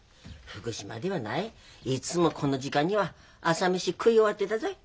福島ではないいつもこの時間には朝飯食い終わってたぞい。